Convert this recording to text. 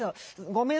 「ごめん。